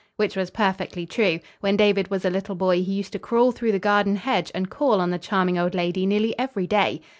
Which was perfectly true. When David was a little boy he used to crawl through the garden hedge and call on the charming old lady nearly every day.